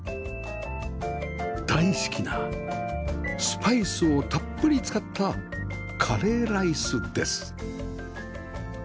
大好きなスパイスをたっぷり使ったカレーライスです